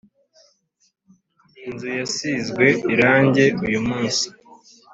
Inzu yasinzwe irangi uyu munsi